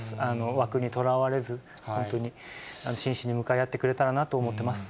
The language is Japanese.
枠にとらわれず、本当に、真摯に向かい合ってくれたらなと思ってます。